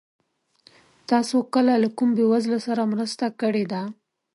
تاسو کله له کوم بېوزله سره مرسته کړې ده؟